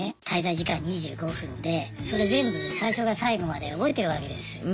滞在時間２５分でそれ全部最初から最後まで覚えてるわけです。